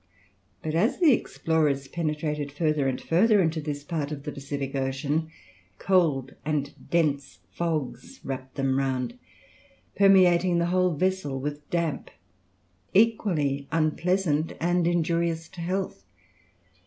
But as the explorers penetrated further and further into this part of the Pacific Ocean, cold and dense fogs wrapped them round, permeating the whole vessel with damp, equally unpleasant and injurious to health.